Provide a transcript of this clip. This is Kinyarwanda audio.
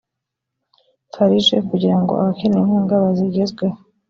farg kugira ngo abakeneye inkunga bazigezweho